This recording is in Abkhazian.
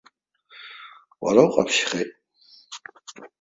Уара уҟаԥшьхеит!